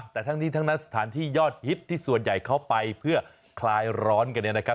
แต่ทั้งนี้ทั้งนั้นสถานที่ยอดฮิตที่ส่วนใหญ่เขาไปเพื่อคลายร้อนกันเนี่ยนะครับ